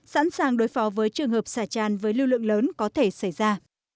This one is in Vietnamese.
sẵn sàng đối phó với trường hợp xả tràn với lưu lượng lớn có thể xảy ra